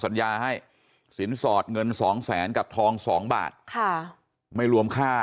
สัญญาให้สินสอดเงินสองแสนกับทองสองบาทค่ะไม่รวมค่า